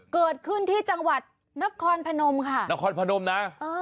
เกิดขึ้นที่จังหวัดนครพนมค่ะนครพนมนะ